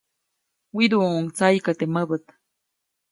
Widuʼuʼuŋ tsayiʼka teʼ mäbät.